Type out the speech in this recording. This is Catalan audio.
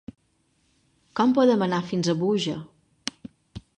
Com podem anar fins a Búger?